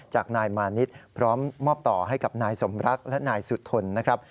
จากนายมานิดพร้อมมอบต่อให้กับนายสมรักและนายสุธนนะครับ